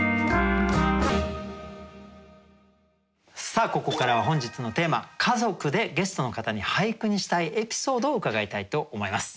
さあここからは本日のテーマ「家族」でゲストの方に俳句にしたいエピソードを伺いたいと思います。